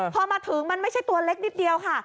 พอมาถึงมันไม่ใช่ตัวเล็กนิดเดียวค่ะ